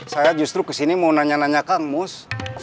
saya justru kesini mau nanya nanya kang mus